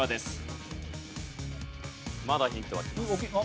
まだヒントはあります。